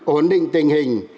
ổn định tình hình